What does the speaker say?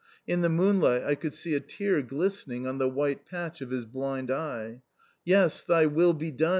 In the moonlight I could see a tear glistening on the white patch of his blind eye. "Yes, Thy will be done!"